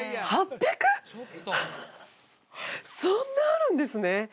そんなあるんですね